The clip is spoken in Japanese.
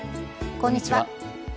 こんにちは。